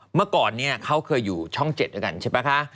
เมื่อก่อนนี้เขาเคยอยู่ช่อง๗ด้วยกันใช่ป่ะคะ